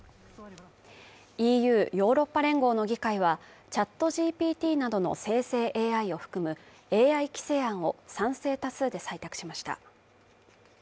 ＥＵ＝ヨーロッパ連合の議会はＣｈａｔＧＰＴなどの生成ＡＩを含むＡＩ規制案を賛成多数で採択しました。